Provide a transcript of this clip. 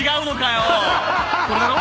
これだろ？